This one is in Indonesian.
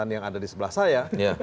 yang ada di sebelah saya